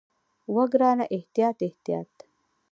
وه ګرانه احتياط احتياط.